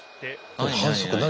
反則何？